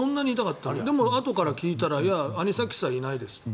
でもあとから聞いたらアニサキスはいないです。